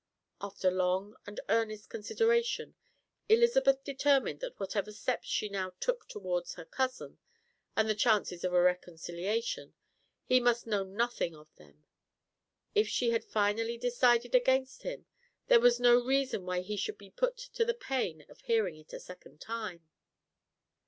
After long and earnest consideration Elizabeth determined that whatever steps she now took towards her cousin and the chances of a reconciliation, he must know nothing of them; if she had finally decided against him, there was no reason why he should be put to the pain of hearing it a second time.